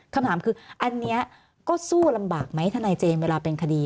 คำถามคืออันนี้ก็สู้ลำบากไหมทนายเจมส์เวลาเป็นคดี